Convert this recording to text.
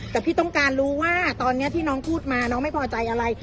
แต่พี่ต้องการรู้ว่าตอนนี้ที่น้องพูดมาน้องไม่พอใจอะไร